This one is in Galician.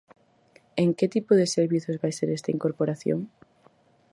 ¿En que tipo de servizos vai ser esta incorporación?